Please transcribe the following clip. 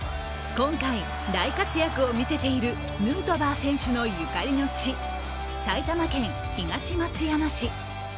今回大活躍を見せているヌートバー選手のゆかりの地、埼玉県東松山市。